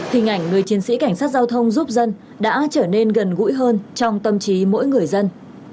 hình ảnh người chiến sĩ cảnh sát giao thông giúp dân đã trở nên gần gũi hơn trong tâm trí mỗi người dân